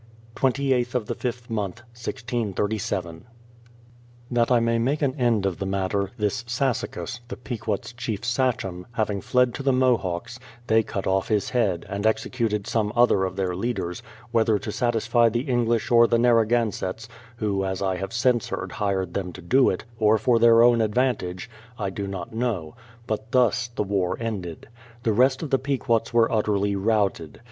28th of the fifth month, 1637. That I may make an end of the matter, this Sassacus, the Pequot's chief sachem, having fled to the Mohawks, they cut off his head, and executed some other of their leaders, whether to satisfy the EngHsh or the Narragan setts, — who as I have since heard hired them to do it, — or for their own advantage, I do not know; but thus the war ended. The rest of the Pequots were utterly routed.